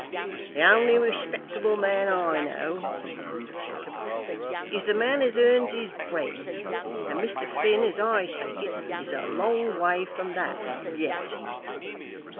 "The only respectable man I know," said Jacob, "is the man as earns his bread; and Mr. Finn, as I take it, is a long way from that yet."